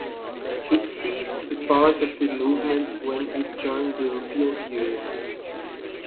It ceased to be part of the movement when it joined the European Union.